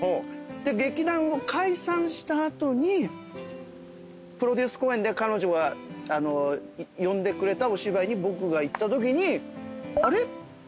で劇団を解散した後にプロデュース公演で彼女が呼んでくれたお芝居に僕が行ったときに。